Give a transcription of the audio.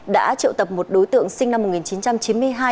đã triệu tập một đối tượng sinh năm một nghìn chín trăm chín mươi hai